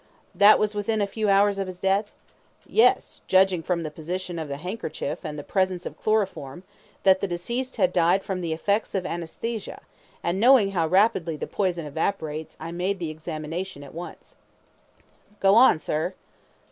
Q. That was within a few hours of his death? A. Yes, judging from the position of the handkerchief and the presence of chloroform that the deceased had died from the effects of ANAESTHESIA, and knowing how rapidly the poison evaporates I made the examination at once. Coroner: Go on, sir.